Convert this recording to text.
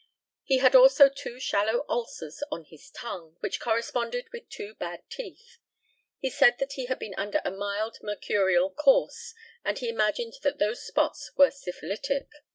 He had also two shallow ulcers on his tongue, which corresponded with two bad teeth. He said that he had been under a mild mercurial course, and he imagined that those spots were syphilitic.